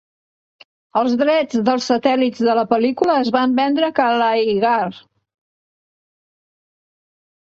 Els drets dels satèl·lits de la pel·lícula es van vendre a Kalaignar.